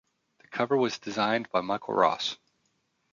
The cover was designed by Michael Ross.